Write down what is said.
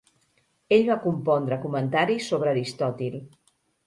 Ell va compondre comentaris sobre Aristòtil.